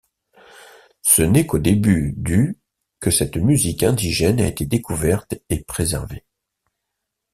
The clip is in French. Ce n'est qu'au début du que cette musique indigène a été découverte et préservée.